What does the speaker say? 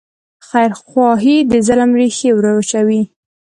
خیرخواهي د ظلم ریښې وروچوي.